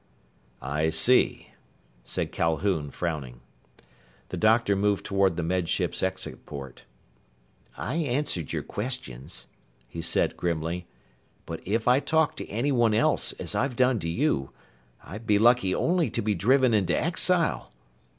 "I see," said Calhoun, frowning. The doctor moved toward the Med Ship's exit port. "I answered your questions," he said grimly. "But if I talked to anyone else as I've done to you, I'd be lucky only to be driven into exile!"